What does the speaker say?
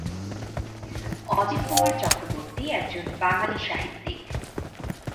অজিতকুমার চক্রবর্তী একজন বাঙালি সাহিত্যিক।